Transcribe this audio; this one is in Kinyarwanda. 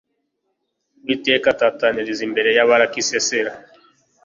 uwiteka atatanyiriza imbere ya baraki sisera